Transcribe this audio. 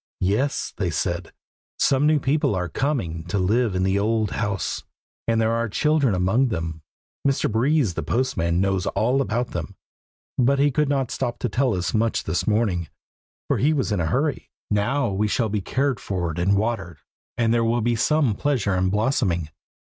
"Yes," they said, "some new people are coming to live in the old house, and there are children among them. Mr. Breeze, the postman, knows all about them, but he could not stop to tell us much this morning, for he was in a hurry. Now we shall be cared for, and watered, and there will be some pleasure in blossoming.